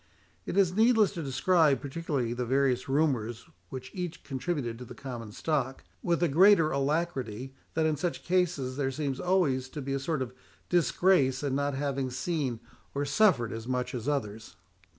It is needless to describe particularly the various rumours which each contributed to the common stock, with the greater alacrity that in such cases there seems always to be a sort of disgrace in not having seen or suffered as much as others.